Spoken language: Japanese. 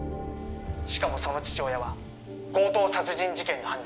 しかもその父親は強盗殺人事件の犯人